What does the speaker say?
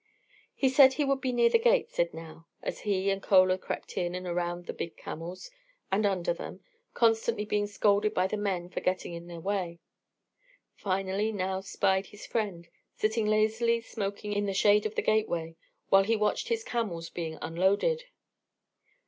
"He said he would be near the great gate," said Nao, as he and Chola crept in and around the big camels and under them, constantly being scolded by the men for getting in their way. Finally Nao spied his friend sitting lazily smoking in the shade of the gateway, while he watched his camels being unloaded.